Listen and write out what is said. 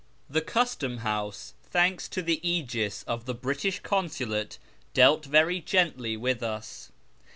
The custom house, thanks to the fcgis of the British Consulate, dealt very gently with us.